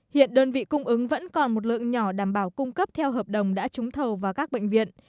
hiện đơn vị cung ứng vẫn còn một lượng nhỏ đảm bảo cung cấp theo hợp đồng đã trúng thầu vào các bệnh viện